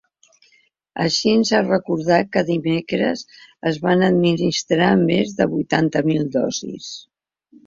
Així, ha recordat que dimecres es van administrar més de vuitanta mil dosis.